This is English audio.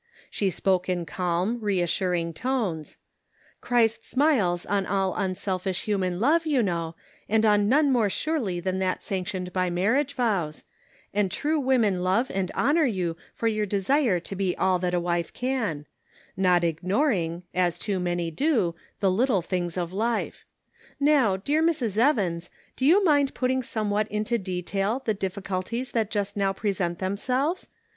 She spoke in calm, reassuring tones : 302 Serving Christ in the Kitchen. 303 " Christ smiles on all unselfish human love, you know, and on none more surely than that sanctioned by marriage vows ; and true women love and honor you for your desire to be all that a wife can ; not ignoring, as too many do, the little things of life. Now, dear Mrs. Evans, do you mind putting somewhat into detail the difficulties that just now present themselves?